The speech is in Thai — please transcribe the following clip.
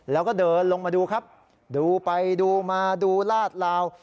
แล้วก็เดินลงมาดูครับดูไปดูมาดูลาดลาว